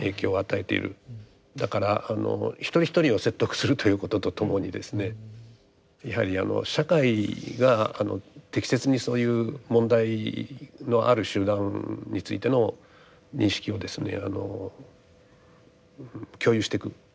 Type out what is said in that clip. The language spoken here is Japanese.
だからあの一人一人を説得するということとともにですねやはり社会が適切にそういう問題のある集団についての認識をですね共有していく。